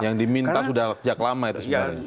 yang diminta sudah sejak lama itu sebenarnya